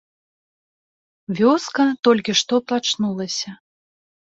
Вёска толькі што прачнулася.